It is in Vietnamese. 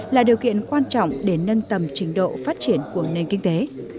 là điều kiện quan trọng để nâng tầm trình độ phát triển của nền kinh tế